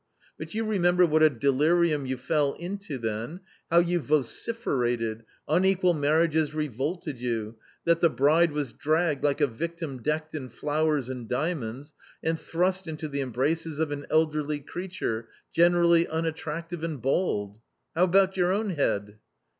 "^But you remember what a delirium you fell into then, how you vociferated, unequal marriages revolted you, that the bride was dragged, like a victim decked in flowers and diamonds, and thrust into the embraces of an elderly creature, generally un attractive and bald. How about your own head